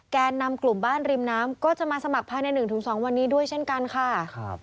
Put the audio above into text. แกนนำกลุ่มบ้านริมน้ำก็จะมาสมัครภายใน๑๒วันนี้ด้วยเช่นกันค่ะ